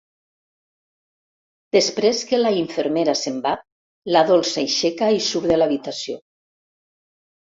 Després que la infermera se'n va la Dols s'aixeca i surt de l'habitació.